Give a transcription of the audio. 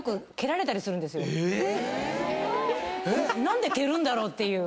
何で蹴るんだろうっていう。